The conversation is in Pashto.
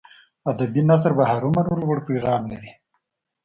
ادبي نثر به هرو مرو لوړ پیغام لري.